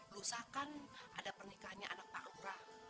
lusa kan ada pernikahannya anak pak urah